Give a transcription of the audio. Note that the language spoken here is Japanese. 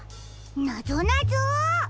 なぞなぞ？